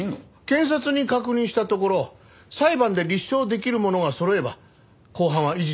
検察に確認したところ裁判で立証できるものがそろえば公判は維持できるそうですよ。